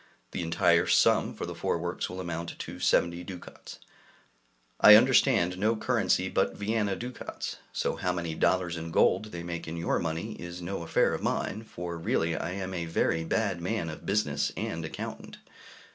The entire sum for the four works will amount to 70 ducats; I understand no currency but Vienna ducats, so how many dollars in gold they make in your money is no affair of mine, for really I am a very bad man of business and accountant.